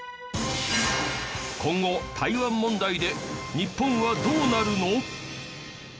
今後、台湾問題で日本はどうなるの？